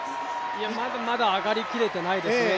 まだまだ上がりきれていないですね。